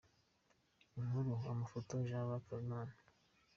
Inkuru & Amafoto: Jean Luc Habimana.